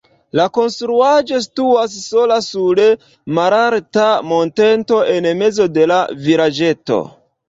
La konstruaĵo situas sola sur malalta monteto en mezo de la vilaĝeto.